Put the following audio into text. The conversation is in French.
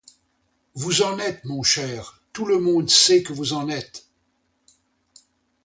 Vous en êtes, mon cher, tout le monde sait que vous en êtes.